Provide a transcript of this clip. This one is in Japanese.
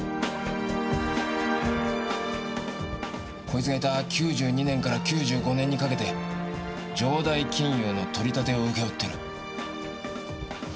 こいつがいた９２年から９５年にかけて城代金融の取り立てを請け負ってる。